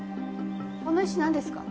この石なんですか？